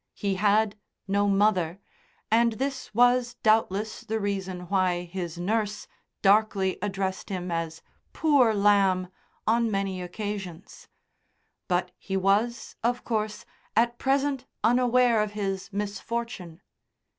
He had no mother, and this was doubtless the reason why his nurse darkly addressed him as "Poor Lamb" on many occasions; but he was, of course, at present unaware of his misfortune.